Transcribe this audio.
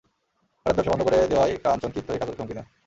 হঠাৎ ব্যবসা বন্ধ করে দেওয়ায় কাঞ্চন ক্ষিপ্ত হয়ে কাজলকে হুমকি দেন।